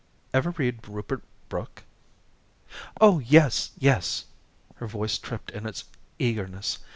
Ever read Rupert Brooke?" "Oh, yes, yes." Her voice tripped in its eagerness.